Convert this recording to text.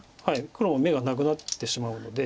黒も眼がなくなってしまうので。